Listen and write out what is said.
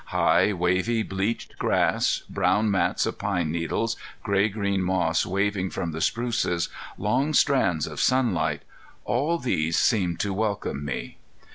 High, wavy, bleached grass, brown mats of pine needles, gray green moss waving from the spruces, long strands of sunlight all these seemed to welcome me.